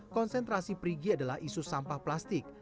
konsentrasi perigi adalah isu sampah plastik